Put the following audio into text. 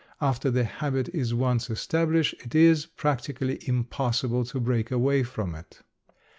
After the habit is once established it is practically impossible to break away from it.